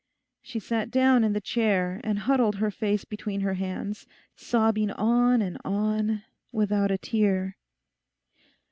She sat down in the chair and huddled her face between her hands, sobbing on and on, without a tear.